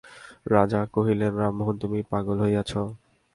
রাজা কহিলেন, রামমোহন তুমি পাগল হইয়াছ?